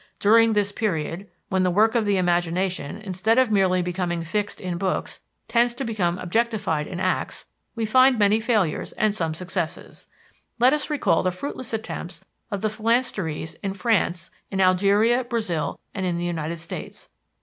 During this period, when the work of the imagination, instead of merely becoming fixed in books, tends to become objectified in acts, we find many failures and some successes. Let us recall the fruitless attempts of the "phalansteries" in France, in Algeria, Brazil, and in the United States.